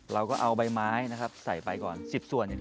เราก็เอาใบไม้ใส่ไปก่อน๑๐ส่วน